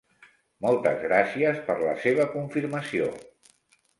Moltes gràcies per la seva confirmació.